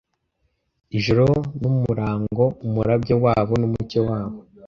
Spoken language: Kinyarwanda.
Ijoro n'umurango umurabyo wabo n'umucyo wabo!